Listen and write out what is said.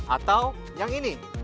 atau yang ini